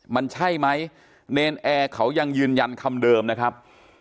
มันใช่ไหมเนรนแอร์เขายังยืนยันคำเดิมนะครับ